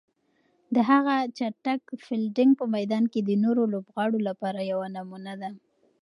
د هغه چټک فیلډینګ په میدان کې د نورو لوبغاړو لپاره یوه نمونه ده.